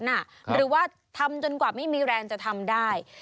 หรือว่าทำจนกว่าไม่มีแรงจะทำได้